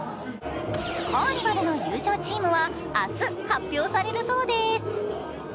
カーニバルの優勝チームは明日、発表されるそうです。